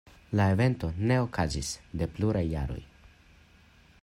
La evento ne okazis de pluraj jaroj.